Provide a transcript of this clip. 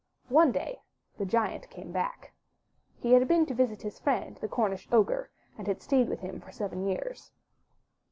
One day the Giant came back. He had been to visit his friend, the Cornish ogre, and had stayed with him for seven years.